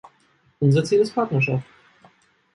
Unser Ziel ist Partnerschaft.